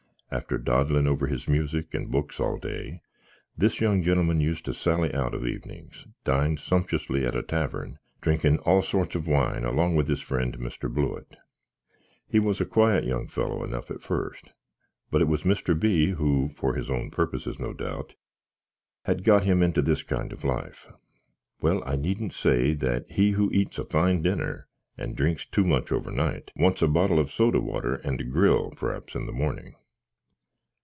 After doddling over his music and boox all day, this young genlmn used to sally out of evenings, dine sumptiously at a tavern, drinkin all sots of wine along with his friend Mr. Blewitt. He was a quiet young fellow enough at fust; but it was Mr. B. who (for his own porpuses, no doubt) had got him into this kind of life. Well, I needn't say that he who eats a fine dinner, and drinks too much overnight, wants a bottle of soda water, and a gril, praps, in the mornink.